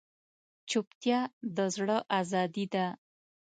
چوپتیا، د زړه ازادي ده.